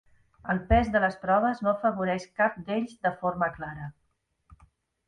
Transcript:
El pes de les proves no afavoreix cap d'ells de forma clara.